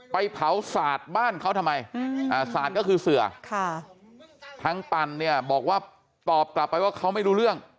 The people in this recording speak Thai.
ไปเผาสาดบ้านเขาทำไมศาสตร์ก็คือเสือทางปั่นเนี่ยบอกว่าตอบกลับไปว่าเขาไม่รู้เรื่อง